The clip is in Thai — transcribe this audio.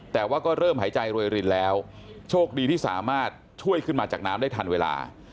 แต่ว่าก็เริ่มหายใจรวยรินแล้วโชคดีที่สามารถช่วยขึ้นมาจากน้ำได้ทันเวลา